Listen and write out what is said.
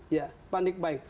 ya panik bayi